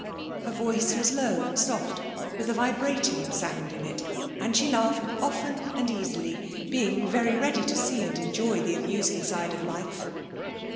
Her voice was low and soft, with a vibrating sound in it, and she laughed often and easily, being very ready to see and enjoy the amusing side of life.